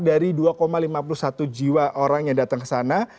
dari dua lima puluh satu jiwa orang yang datang ke sana